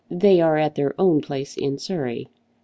They are at their own place in Surrey.